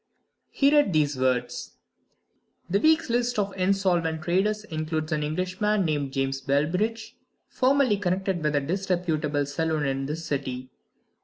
He read these words: "The week's list of insolvent traders includes an Englishman named James Bellbridge, formerly connected with a disreputable saloon in this city.